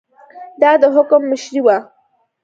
دا د حکم مشري وه.